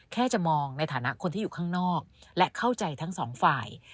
แค่จะมองในฐานะคนที่อยู่ข้างนอกและเข้าใจทั้งสองฝ่าย